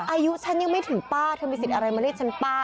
อายุฉันยังไม่ถึงป้าเธอมีสิทธิ์อะไรมาเรียกฉันป้า